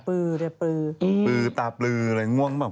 ปือปือตาปืออะไรง่วงมาก